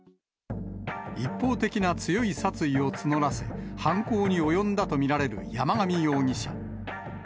一方的な強い殺意を募らせ、犯行に及んだとみられる山上容疑者。